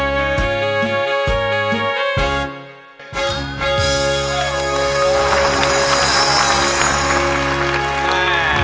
นะ